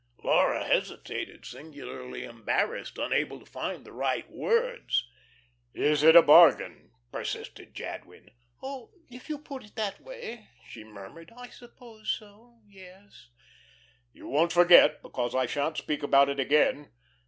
Laura hesitated, singularly embarrassed, unable to find the right words. "Is it a bargain?" persisted Jadwin. "Oh, if you put it that way," she murmured, "I suppose so yes." "You won't forget, because I shan't speak about it again.